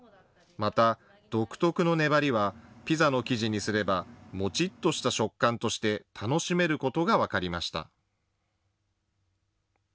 また独特の粘りはピザの生地にすればもちっとした食感として楽しめることが分かりました。